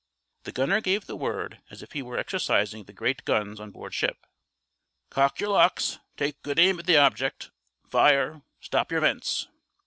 The gunner gave the word as if he were exercising the great guns on board ship. "Cock your locks! Take good aim at the object! Fire! Stop your vents!"